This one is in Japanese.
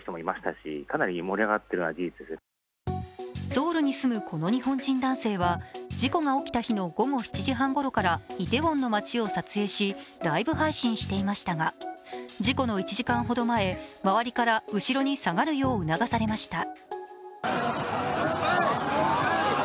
ソウルに住むこの日本人男性は事故が起きた日の午後７時半ごろからイテウォンの街を撮影し、ライブ配信していましたが、事故の１時間ほど前、周りから後ろに下がるよう促されました。